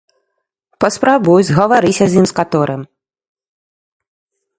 Паспрабуй, згаварыся з ім, з каторым.